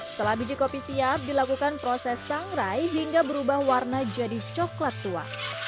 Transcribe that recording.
setelah biji kopi siap dilakukan proses sangrai hingga berubah warna jadi coklat tua